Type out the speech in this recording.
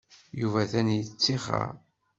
Yuba atan ad yettixer.